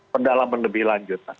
pendalaman lebih lanjut